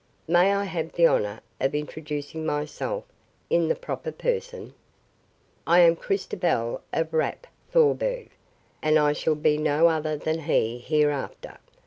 May I have the honor of introducing myself in the proper person? I am Christobal of Rapp Thorburg, and I shall be no other than he hereafter.